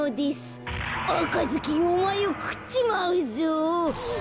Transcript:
「あかずきんおまえをくっちまうぞ」。